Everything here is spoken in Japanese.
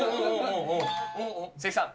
関さん。